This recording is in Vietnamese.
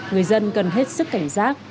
người dân cần hết sức cảnh giác